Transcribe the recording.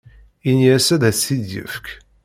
Ini-as ad as-t-id-yefk.